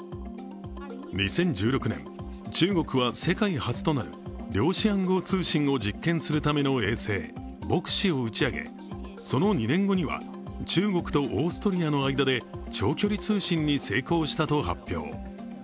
２０１６年、中国は世界初となる量子暗号通信を実験するための衛星「ボクシ」を打ち上げ、その２年後には中国とオーストリアの間で長距離通信に成功したと発表。